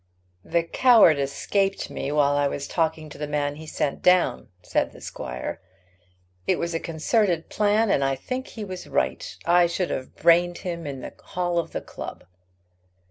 "The coward escaped me while I was talking to the man he sent down," said the squire. "It was a concerted plan, and I think he was right. I should have brained him in the hall of the club."